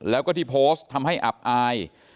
แล้วก็ที่โพสต์ทำให้อับอาย